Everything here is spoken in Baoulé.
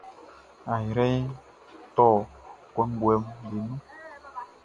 Ayrɛʼn tɔ kɔnguɛʼm be nun.